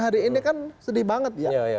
hari ini kan sedih banget ya